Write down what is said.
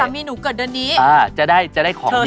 เมียหนูเกิดเดือนนี้จะได้ของดี